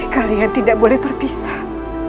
kalian tidak boleh terpisah